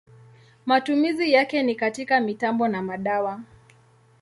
Matumizi yake ni katika mitambo na madawa.